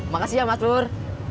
makasih ya mas pur